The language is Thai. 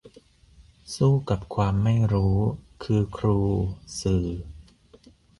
สู้กับความไม่รู้ คือครู สื่อ